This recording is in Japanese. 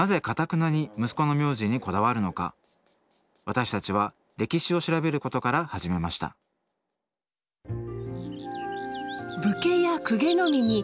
私たちは歴史を調べることから始めました武家や公家のみに氏